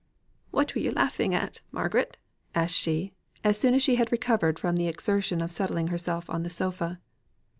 "What were you laughing at, Margaret?" asked she, as soon as she had recovered from the exertion of settling herself on the sofa.